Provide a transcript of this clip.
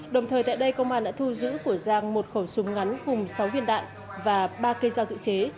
đồng thời tại đây công an đã thu giữ của giang một khẩu súng ngắn cùng sáu viên đạn và ba cây dao tự chế